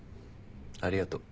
ありがとう。